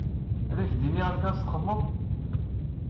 Ad k-d-iniɣ amek ad t-txedmeḍ.